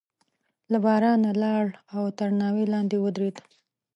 له بارانه لاړ او تر ناوې لاندې ودرېد.